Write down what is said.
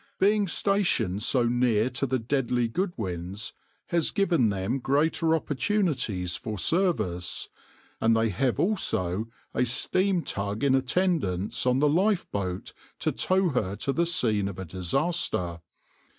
Being stationed so near to the deadly Goodwins has given them greater opportunities for service, and they have also a steam tug in attendance on the lifeboat to tow her to the scene of disaster.